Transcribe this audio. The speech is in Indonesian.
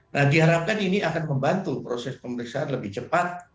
nah diharapkan ini akan membantu proses pemeriksaan lebih cepat